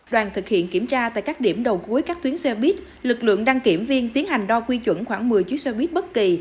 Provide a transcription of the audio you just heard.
đoàn thực hiện kiểm tra tại các điểm đầu cuối các tuyến xe buýt lực lượng đăng kiểm viên tiến hành đo quy chuẩn khoảng một mươi chuyến xe buýt bất kỳ